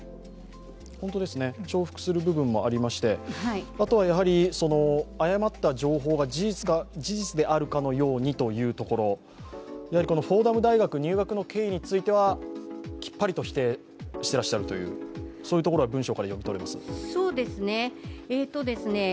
重複する部分もありましてあとは、誤った情報が事実であるかのようにというところ、フォーダム大学入学の経緯についてはきっぱりと否定してらっしゃるところは文書から読み取れます。